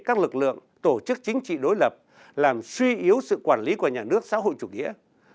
các lực lượng tổ chức chính trị đối lập làm suy yếu sự quản lý của nhà nước xã hội chủ nghĩa